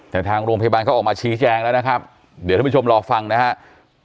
แต่ทางโรงพยาบาลเขาออกมาชี้แจงแล้วนะครับเดี๋ยวท่านผู้ชมรอฟังนะครับ